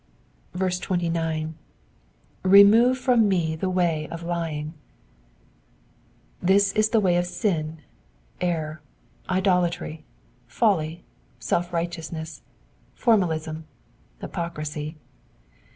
29. *'^ Remove from me the way of lyings This is the way of sin, error, idolatry, folly, self righteousness, formalism, hypocrisy.